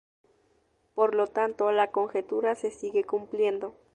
Por lo tanto la conjetura se sigue cumpliendo.